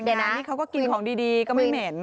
เดี๋ยวนะนี่เขาก็กินของดีก็ไม่เหม็น